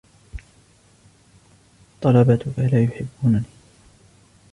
طلبتك لا يحبونني.